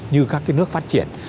như các cái nước phát triển